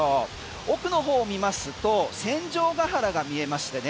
奥の方を見ますと戦場ヶ原が見えましてね